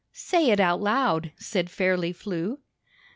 "Say it out loud," said Fairly Flew.